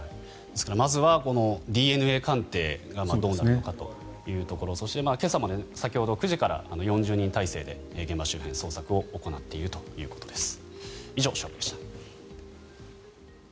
ですからまずはＤＮＡ鑑定がどうなるのかというところそして、今朝も先ほど９時から４０人態勢で現場周辺の捜索を行っているということです。